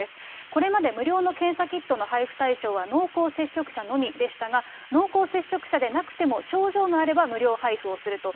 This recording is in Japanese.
これまで無料の検査キットの配布対象は濃厚接触者のみでしたが、濃厚接触者でなくても症状があれば無料配布をすると。